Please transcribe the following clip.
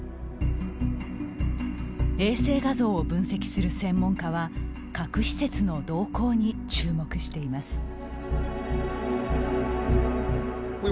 衛星画像を分析する専門家は核施設の動向に注目しています。